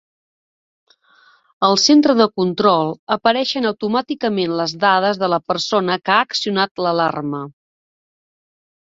Al centre de control, apareixen automàticament les dades de la persona que ha accionat l'alarma.